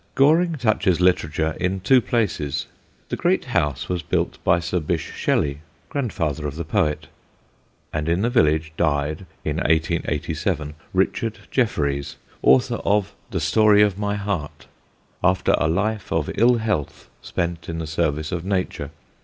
Goring touches literature in two places. The great house was built by Sir Bysshe Shelley, grandfather of the poet; and in the village died, in 1887, Richard Jefferies, author of The Story of My Heart, after a life of ill health spent in the service of nature.